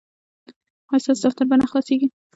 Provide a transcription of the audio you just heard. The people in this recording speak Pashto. ایا ستاسو دفتر به نه خلاصیږي؟